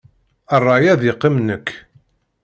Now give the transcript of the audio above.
Ṛṛay ad yeqqim nnek.